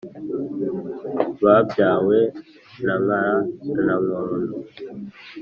babyawe na nkara na nkono,